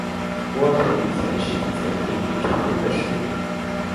窝头以前是底层平民常用的食品。